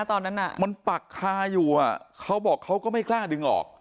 ตอนนั้นมันปักคาอยู่เขาบอกเขาก็ไม่กล้าดึงออก